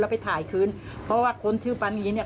ไปถ่ายคืนเพราะว่าคนชื่อปานีเนี่ย